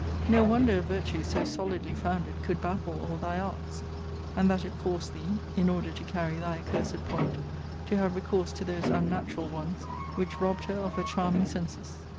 No wonder a virtue so solidly founded could baffle all thy arts: and that it forced thee (in order to carry thy accursed point) to have recourse to those unnatural ones, which robbed her of her charming senses.